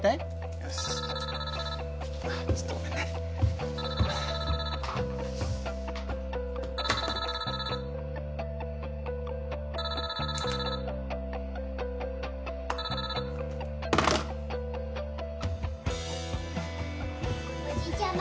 よしちょっとごめんねおじちゃま